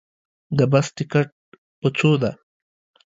د بس ټکټ په څو ده